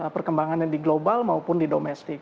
perkembangannya di global maupun di domestik